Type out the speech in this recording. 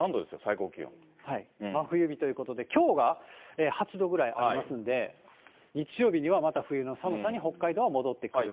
真冬日ということで、きょうが８度ぐらいありますんで、日曜日にはまた冬の寒さに北海道は戻ってくると。